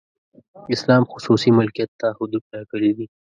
اسلام خصوصي ملکیت ته حدود ټاکلي دي.